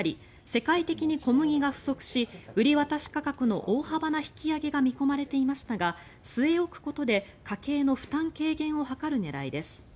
世界的に小麦が不足し売り渡し価格の大幅な引き上げが見込まれていましたが据え置くことで家計の負担軽減を図る狙いです。